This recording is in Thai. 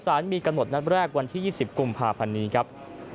มีกำหนดนัดแรกวันที่๒๐กุมภาพันธ์นี้ครับ